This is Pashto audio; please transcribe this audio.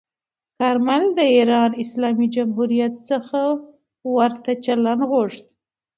کارمل د ایران اسلامي جمهوریت څخه ورته چلند غوښت.